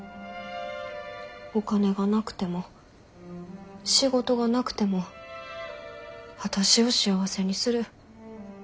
お金がなくても仕事がなくても私を幸せにする。